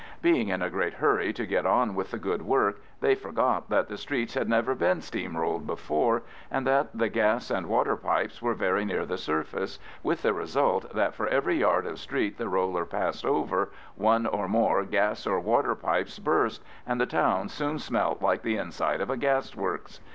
Being in a great hurry to get on with the good work, they forgot that the streets had never been steam rolled before, and that the gas and water pipes were very near the surface, with the result that for every yard of street the roller passed over one or more gas or water pipes burst, and the town soon smelt like the inside of a gas works.